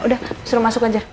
udah suruh masuk aja